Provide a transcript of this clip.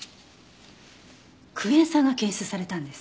クエン酸が検出されたんです。